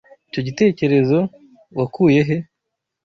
Icyo gitekerezo wakuye he?